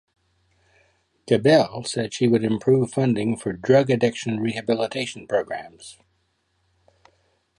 Gabel said she would improve funding for drug addiction rehabilitation programs.